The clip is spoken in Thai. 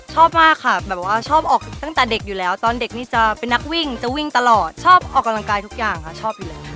ชอบมากค่ะแบบว่าชอบออกตั้งแต่เด็กอยู่แล้วตอนเด็กนี่จะเป็นนักวิ่งจะวิ่งตลอดชอบออกกำลังกายทุกอย่างค่ะชอบอยู่แล้ว